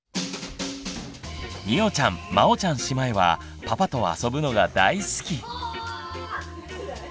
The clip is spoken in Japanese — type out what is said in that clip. みおちゃんまおちゃん姉妹はパパと遊ぶのが大好き！